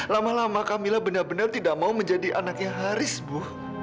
lama lama camilla benar benar tidak mau menjadi anaknya haris bu